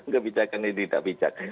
kebijakan yang tidak bijak